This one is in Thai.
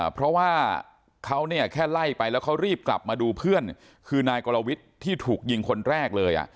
เพราะว่าเขาเนี่ยแค่ไล่ไปแล้วเขารีบกลับมาดูเพื่อนคือนายกรวิทย์ที่ถูกยิงคนแรกเลย